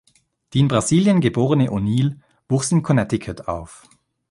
Die in Brasilien geborene O’Neill wuchs in Connecticut auf.